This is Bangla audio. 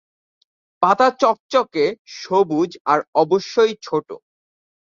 পাতা চকচকে, সবুজ আর অবশ্যই ছোট।